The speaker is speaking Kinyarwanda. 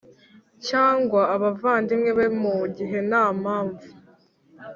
Cyangwa abavandimwe be mu gihe nta mpamvu